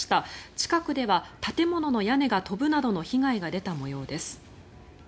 近くでは建物の屋根が飛ぶなどの被害が出た模様です。